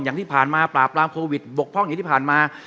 อย่างที่ผ่านมาปราบรามโควิดบกพร่องอย่างที่ผ่านมา